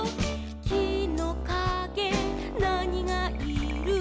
「きのかげなにがいる？」